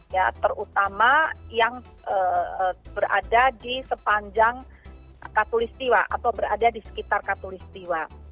ya terutama yang berada di sepanjang katolik setiwa atau berada di sekitar katolik setiwa